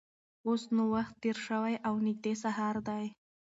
اوس نو وخت تېر شوی او نږدې سهار دی.